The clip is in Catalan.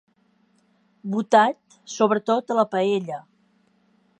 Botat, sobretot a la paella.